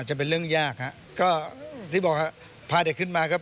จะเป็นเรื่องยากฮะก็ที่บอกฮะพาเด็กขึ้นมาก็